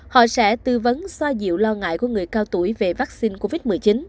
họ sẽ tư vấn xoa dịu lo ngại của người cao tuổi về vaccine covid một mươi chín